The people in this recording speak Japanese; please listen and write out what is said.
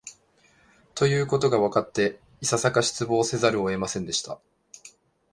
ということがわかって、いささか失望せざるを得ませんでした